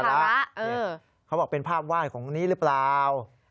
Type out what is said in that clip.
เขาบอกเป็นภาพว่ายของนี้รึเปล่า